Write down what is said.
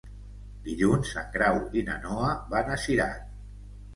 Dilluns en Grau i na Noa van a Cirat.